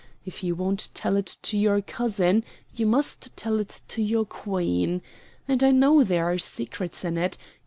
If you won't tell it to your cousin, you must tell it to your Queen. And I know there are secrets in it.